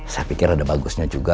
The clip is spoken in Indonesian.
saya pikir ada bagusnya juga